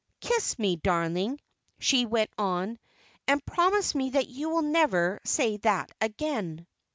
Kiss me, darling," she went on, "and promise me that you will never say that again."